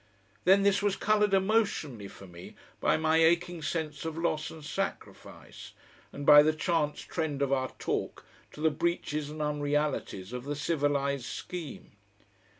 Then this was coloured emotionally for me by my aching sense of loss and sacrifice, and by the chance trend of our talk to the breaches and unrealities of the civilised scheme.